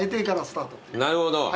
なるほど。